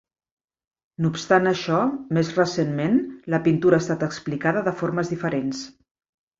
No obstant això, més recentment, la pintura ha estat explicada de formes diferents.